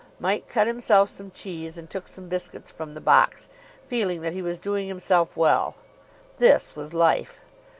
Mike cut himself some cheese and took some biscuits from the box, feeling that he was doing himself well. This was Life.